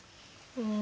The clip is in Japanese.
うん。